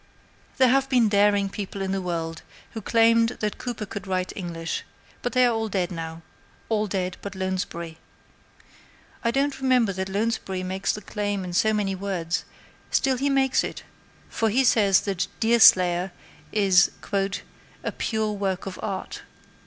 There have been daring people in the world who claimed that Cooper could write English, but they are all dead now all dead but Lounsbury. I don't remember that Lounsbury makes the claim in so many words, still he makes it, for he says that Deerslayer is a "pure work of art."